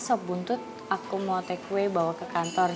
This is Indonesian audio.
sob buntut aku mau take away bawa ke kantor